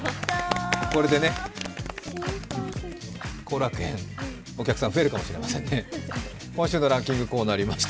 これで後楽園、お客さん増えるかもしれませんね。